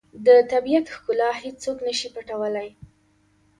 د طبیعت ښکلا هیڅوک نه شي پټولی.